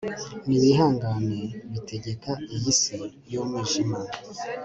nibihangange bitegeka iyi si yumwijima